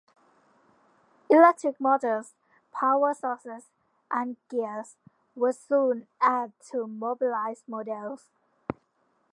Electric motors, power sources, and gears were soon added to mobilize models.